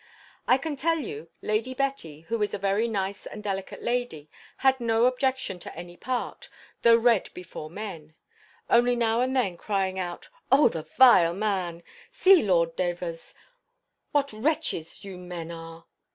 I can tell you, Lady Betty, who is a very nice and delicate lady, had no objection to any part, though read before men: only now and then crying out, "O the vile man! See, Lord Davers, what wretches you men are!"